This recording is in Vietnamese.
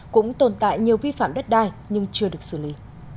cũng tồn tại nhiều vi phạm đất đai nhưng chưa được xử lý